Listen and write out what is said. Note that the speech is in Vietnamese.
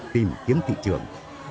tìm kiếm thị trường